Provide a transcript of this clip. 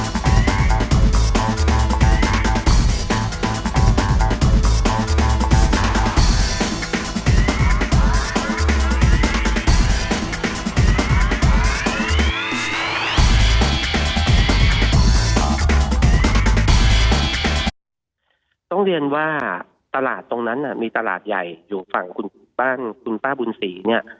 มีตราดไกลแล้วสุดยอดแล้วเรียกว่าตราดตรงนั้นน่ะมีตราดใหญ่อยู่ฝั่งคุณบ้านคุณป้าบูรณสี่เนี้ย